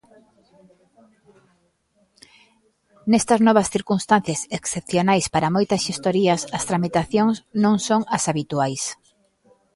Nestas novas circunstancias excepcionais para moitas xestorías as tramitacións non son as habituais.